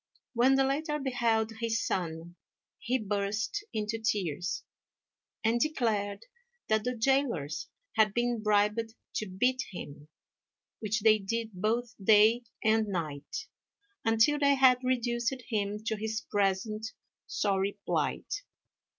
When the latter beheld his son, he burst into tears, and declared that the gaolers had been bribed to beat him, which they did both day and night, until they had reduced him to his present sorry plight.